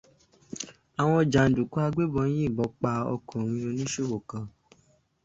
Àwọn jàndùkú agbébọn yìnbọn pa ọkùnrin oníṣòwò kan.